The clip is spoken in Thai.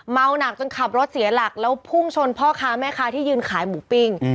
หนักจนขับรถเสียหลักแล้วพุ่งชนพ่อค้าแม่ค้าที่ยืนขายหมูปิ้ง